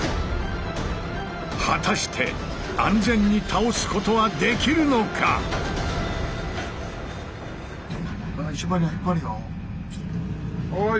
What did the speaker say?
果たして安全に倒すことはできるのか⁉はい。